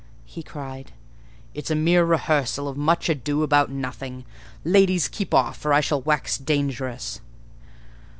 he cried. "It's a mere rehearsal of Much Ado about Nothing. Ladies, keep off, or I shall wax dangerous."